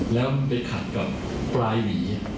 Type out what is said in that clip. แล้วมันขาดไปกับปลายหวี